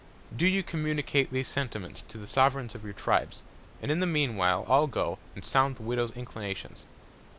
Do you communicate these Sentiments to the Sovereigns of your Tribes, and in the mean while I'll go, and sound the Widow's Inclinations.